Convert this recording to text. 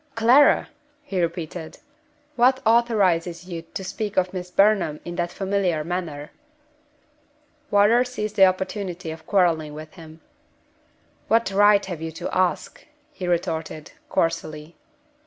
"Clara!" he repeated. "What authorizes you to speak of Miss Burnham in that familiar manner?" Wardour seized the opportunity of quarreling with him. "What right have you to ask?" he retorted, coarsely.